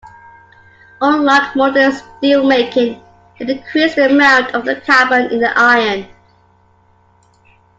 Unlike modern steelmaking, it increased the amount of carbon in the iron.